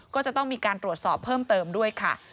ก็จะต้องมีการตรวจสอบเพิ่มเติมด้วยค่ะ